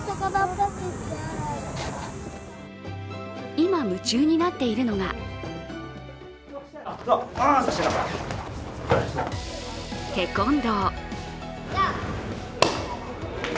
今、夢中になっているのがテコンドー。